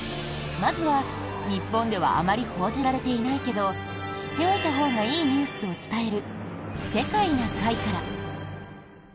まずは、日本ではあまり報じられていないけど知っておいたほうがいいニュースを伝える「世界な会」から。